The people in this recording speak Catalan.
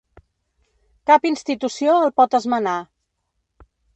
Cap institució el pot esmenar.